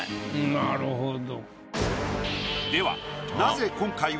なるほど。